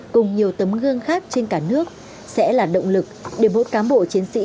cùng nhiều tấm gương khác trên cả nước sẽ là động lực để một cán bộ chiến sĩ